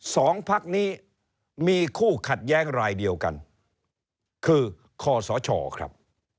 สองพักนี้มีคู่ขัดแย้งรายเดียวกันคือคอสชครับ